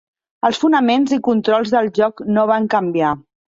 Els fonaments i controls del joc no van canviar.